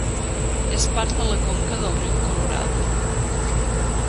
És part de la conca del riu Colorado.